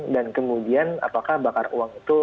dan kemudian apakah bakar uang itu